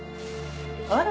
あら！